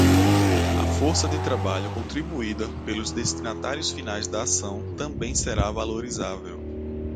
A força de trabalho contribuída pelos destinatários finais da ação também será valorizável.